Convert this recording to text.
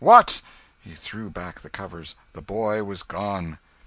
What!" He threw back the covers the boy was gone!